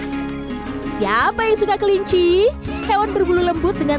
yuk kita datang satu persatu siapa yang suka kelinci hewan berbulu lembut dengan